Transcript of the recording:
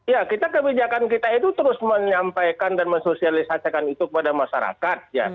ya kita kebijakan kita itu terus menyampaikan dan mensosialisasikan itu kepada masyarakat